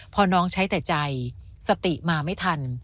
พอน้องใช้แต่ใจสติมาไม่ทัน